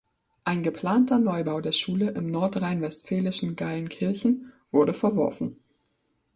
Ein geplanter Neubau der Schule im nordrhein-westfälischen Geilenkirchen wurde verworfen.